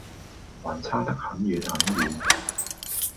還差得很遠很遠。